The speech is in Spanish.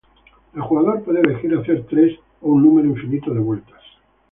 El jugador puede elegir hacer tres o un número infinito de vueltas.